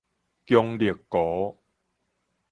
強力糊